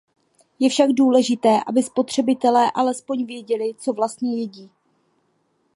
Je však důležité, aby spotřebitelé alespoň věděli, co vlastně jedí.